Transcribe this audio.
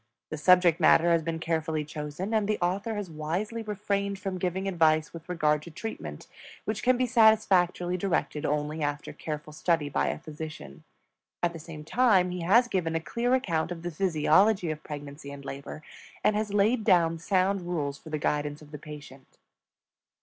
The subject matter has been carefully chosen, and the author has wisely refrained from giving advice with regard to treatment which can be satisfactorily directed only after careful study by a physician. At the same time he has given a clear account of the physiology of pregnancy and labor, and has laid down sound rules for the guidance of the patient.